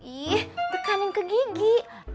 ih tekanin ke gigi